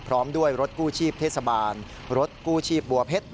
พร้อมด้วยรถกู้ชีพเทศบาลรถกู้ชีพบัวเพชร